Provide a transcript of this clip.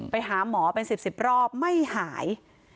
ไปหาหมอเป็น๑๐รอบไม่หาย